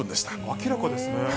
明らかですね。